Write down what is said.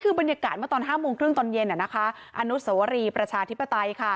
คือบรรยากาศเมื่อตอน๕โมงครึ่งตอนเย็นอนุสวรีประชาธิปไตย